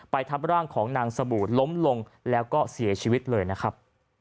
ทับร่างของนางสบู่ล้มลงแล้วก็เสียชีวิตเลยนะครับ